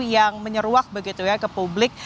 yang menyeruak begitu ya ke publik